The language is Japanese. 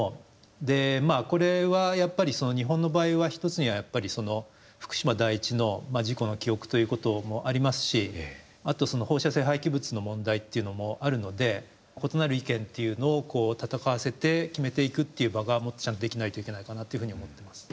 これはやっぱり日本の場合は一つにはやっぱり福島第一の事故の記憶ということもありますしあと放射性廃棄物の問題っていうのもあるので異なる意見っていうのを戦わせて決めていくっていう場がもっとちゃんとできないといけないかなというふうに思ってます。